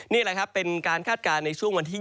นี่แหละครับเป็นการคาดการณ์ในช่วงวันที่๒